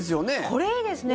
これいいですね。